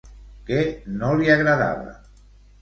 Què no li agradava?